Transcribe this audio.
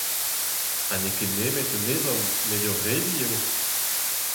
Ha n'eo ket nemet un ezhomm met ur redi eo !